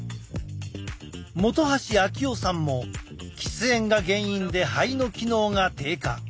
本橋昭男さんも喫煙が原因で肺の機能が低下。